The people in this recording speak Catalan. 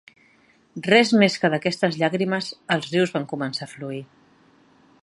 Res més que d'aquestes llàgrimes els rius van començar a fluir.